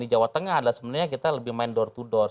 di jawa tengah adalah sebenarnya kita lebih main door to door